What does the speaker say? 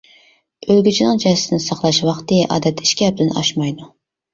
ئۆلگۈچىنىڭ جەسىتىنى ساقلاش ۋاقتى ئادەتتە ئىككى ھەپتىدىن ئاشمايدۇ.